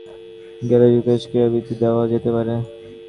এবারও তেমন খেলোয়াড় পাওয়া গেলে যুক্তরাষ্ট্রের ক্রীড়া বৃত্তি দেওয়া যেতে পারে।